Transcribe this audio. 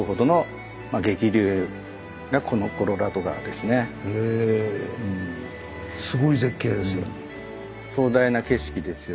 すごい絶景ですよ。